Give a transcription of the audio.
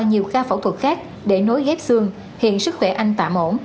nhiều ca phẫu thuật khác để nối ghép xương hiện sức khỏe anh tạm ổn